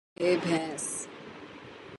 عقل بڑی کہ بھینس